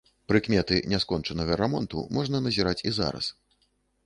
Прыкметы няскончанага рамонту можна назіраць і зараз.